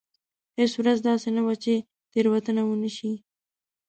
هېڅ ورځ داسې نه وه چې تېروتنه ونه شي.